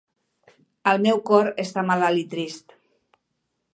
El meu cor està malalt i trist.